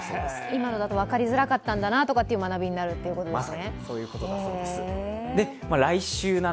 今のだと分かりづらかったんだなという学びになるということですね。